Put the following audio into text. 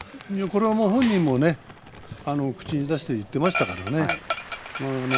本人も口に出して言っていましたからね。